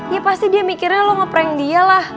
ya pasti dia mikirnya lo ngeprank dia lah